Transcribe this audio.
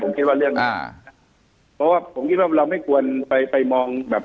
ผมคิดว่าเรื่องอ่าเพราะว่าผมคิดว่าเราไม่ควรไปไปมองแบบ